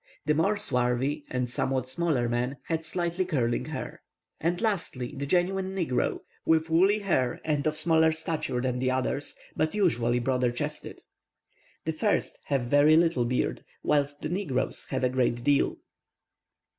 The more swarthy and somewhat smaller men had slightly curling hair. And lastly, the genuine negro, with woolly hair and of smaller stature than the others, but usually broader chested. The first have very little beard, whilst the negroes have a great deal."